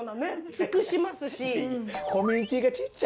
尽くしますし。